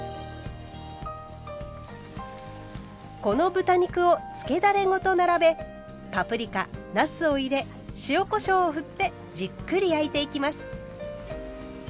この豚肉を漬けだれごと並べパプリカなすを入れ塩・こしょうを振ってじっくり焼いていきます。